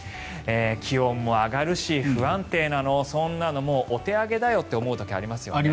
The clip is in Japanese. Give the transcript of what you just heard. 気温も上がるし不安定なのそんなのもうお手上げだよと思う時ありますよね。